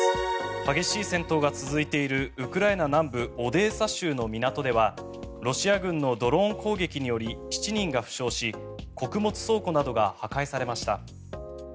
激しい戦闘が続いているウクライナ南部オデーサ州の港ではロシア軍のドローン攻撃により７人が負傷し穀物倉庫などが破壊されました。